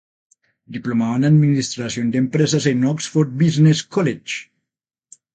Diplomado en administración de empresas en Oxford Business College.